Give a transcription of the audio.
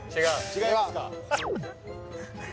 違いますか？